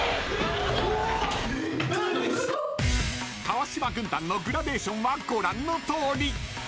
［川島軍団のグラデーションはご覧のとおり］